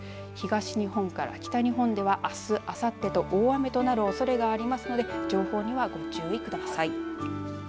東日本から北日本ではあす、あさってと大雨となるおそれがありますので情報にはご注意ください。